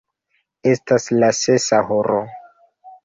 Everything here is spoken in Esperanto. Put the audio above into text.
Estas la sesa horo.